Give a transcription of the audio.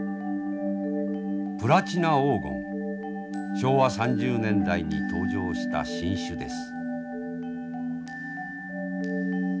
昭和３０年代に登場した新種です。